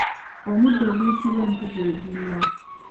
Omuddo oguyitibwa empu gwe guliwa?